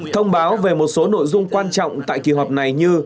thông báo về một số nội dung quan trọng tại kỳ họp này như